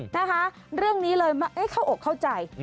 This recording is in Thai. นะคะเรื่องนี้เลยเข้าอกเข้าใจ